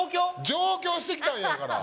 上京してきたんやから。